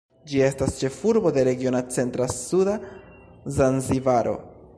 Ĝi estas ĉefurbo de regiono Centra-Suda Zanzibaro.